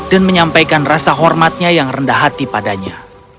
dan menyampaikan rasa hormatnya yang rendah hati padanya